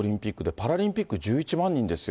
パラリンピックは１１万人ですよ。